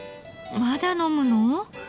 まだ飲むの？